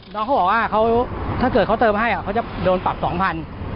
เขาบอกว่าเขาถ้าเกิดเขาเติมให้เขาจะโดนปรับ๒๐๐บาท